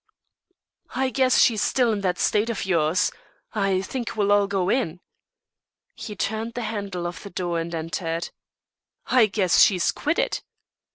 "I guess she's still in that state of yours. I think we'll all go in." He turned the handle of the door and entered. "I guess she's quitted."